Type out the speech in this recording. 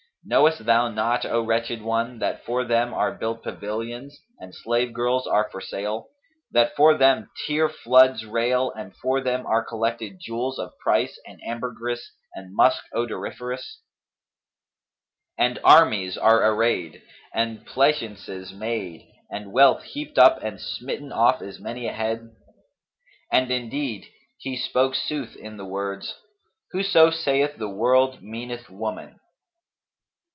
Knowest thou not, O wretched one, that for them are built pavilions, and slave girls are for sale;[FN#242] that for them tear floods rail and for them are collected jewels of price and ambergris and musk odoriferous; and armies are arrayed and pleasaunces made and wealth heaped up and smitten off is many a head? And indeed he spoke sooth in the words, 'Whoso saith the world meaneth woman.'